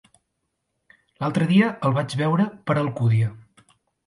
L'altre dia el vaig veure per Alcúdia.